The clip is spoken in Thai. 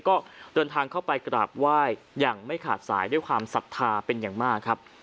ก็เดินทางเข้าไปกราบไหว้อย่างไม่ขาดสายด้วยความศรัทธาเป็นอย่างมากครับ